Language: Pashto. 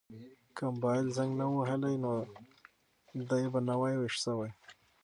که موبایل زنګ نه وای وهلی نو دی به نه وای ویښ شوی.